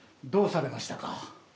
どうされましたか？